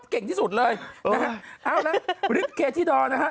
เก่งที่สุดเลยเอาละลิฟต์เคทีดอลนะฮะ